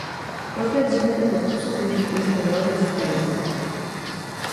Proto je vhodné tento způsob použít pouze ve velmi husté mlze.